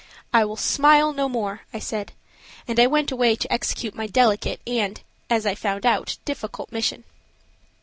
"I will smile no more," I said, and I went away to execute my delicate and, as I found out, difficult mission.